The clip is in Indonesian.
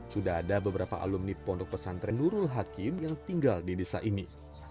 sudah ada beberapa alumni pondok pesantren nurul hakim yang tinggal di desa ini